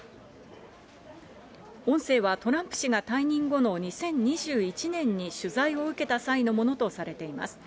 音声はトランプ氏が退任後の２０２１年に取材を受けた際のものとされています。